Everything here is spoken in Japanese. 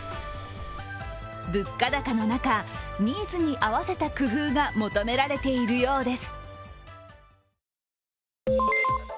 物価高の中、ニーズに合わせた工夫が求められているようです。